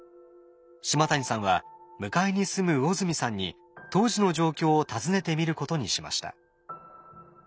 島谷さんは向かいに住む魚住さんに当時の状況を尋ねてみることにしました。